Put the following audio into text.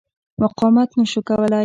مقاومت نه شو کولای.